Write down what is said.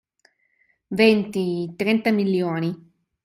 Venti, trenta milioni.